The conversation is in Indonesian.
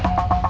aku kasih tau